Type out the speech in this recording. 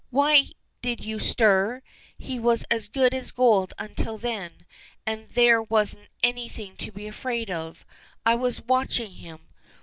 "Why did you stir? He was as good as gold, until then; and there wasn't anything to be afraid of. I was watching him.